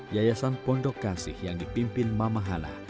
yayasan pondok kasih yang dipimpin mama hana